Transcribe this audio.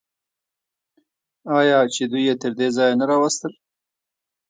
آیا چې دوی یې تر دې ځایه نه راوستل؟